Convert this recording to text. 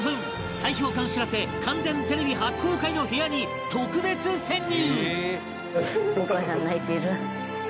砕氷艦「しらせ」完全テレビ初公開の部屋に特別潜入！